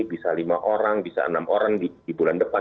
bisa lima orang bisa enam orang di bulan depan